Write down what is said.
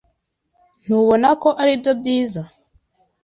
Ntubona ko aribyo byiza?